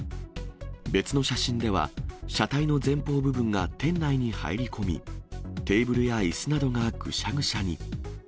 別の写真では、車体の前方部分が店内に入り込み、テーブルやいすなどがぐしゃぐしゃに。